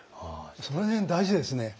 その辺大事ですね